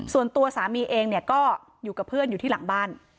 ส่วนตัวสามีเองเนี่ยก็อยู่กับเพื่อนอยู่ที่หลังบ้าน